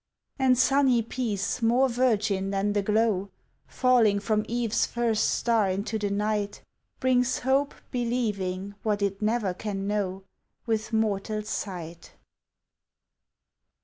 And sunny peace more virgin than the glow Falling from eve's first star into the night, Brings hope believing what it ne'er can know With mortal sight.